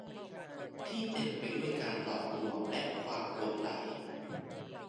ที่เต็มไปด้วยการหลอกลวงและความหลงใหล